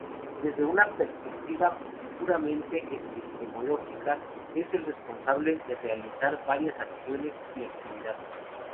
Desde una perspectiva puramente epistemológica, es el responsable de realizar varias acciones y actividades.